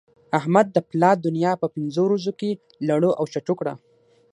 احمد د پلا دونيا په پنځو ورځو کې لړو او چټو کړه.